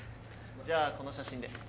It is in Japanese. じゃあこの写真で。